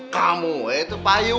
kamu itu payu